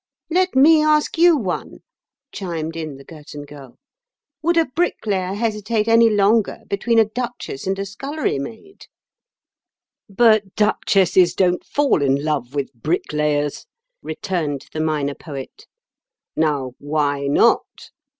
"Let me ask you one," chimed in the Girton Girl. "Would a bricklayer hesitate any longer between a duchess and a scullery maid?" "But duchesses don't fall in love with bricklayers," returned the Minor Poet. "Now, why not?